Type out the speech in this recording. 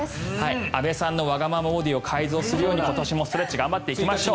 安部さんのわがままボディーを改善するように今年もストレッチ頑張っていきましょう。